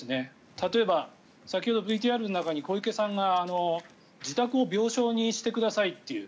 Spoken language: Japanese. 例えば、先ほどＶＴＲの中に小池さんが自宅を病床にしてくださいという。